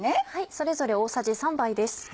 それぞれ大さじ３杯です。